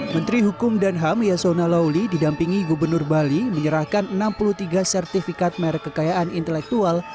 menteri hukum dan ham yasona lauli didampingi gubernur bali menyerahkan enam puluh tiga sertifikat merek kekayaan intelektual